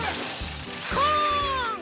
コーン！